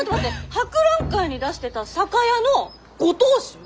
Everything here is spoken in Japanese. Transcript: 博覧会に出してた酒屋のご当主？